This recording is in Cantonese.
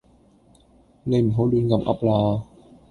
你唔好亂咁噏啦